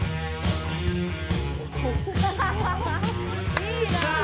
いいなあ！